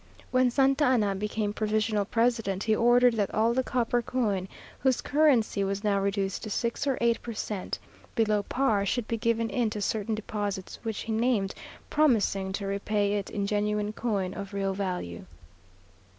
When Santa Anna became provisional president, he ordered that all the copper coin, whose currency was now reduced to six or eight per cent. below par, should be given in to certain deposits which he named, promising to repay it in genuine coin of real value.